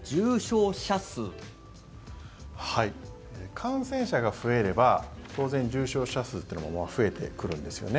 感染者が増えれば当然、重症者数というのも増えてくるんですよね。